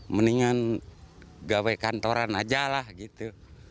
mendingan gawai kantoran aja lah gitu